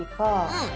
うん！